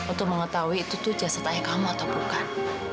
untuk mengetahui itu tuh jasad ayah kamu atau bukan